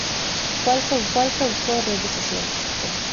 Lo cual causó revuelo en redes sociales.